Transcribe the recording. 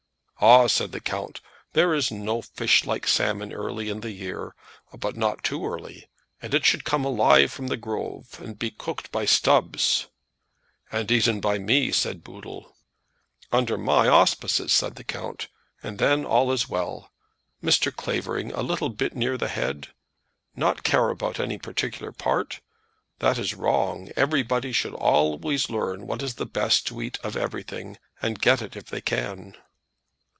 "Ah," said the count, "there is no fish like salmon early in the year; but not too early. And it should come alive from Grove, and be cooked by Stubbs." "And eaten by me," said Boodle. "Under my auspices," said the count, "and then all is well. Mr. Clavering, a little bit near the head? Not care about any particular part? That is wrong. Everybody should always learn what is the best to eat of everything, and get it if they can."